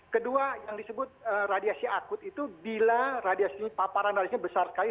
kedua yang disebut radiasi akut itu bila radiasi paparan radiasinya besar sekali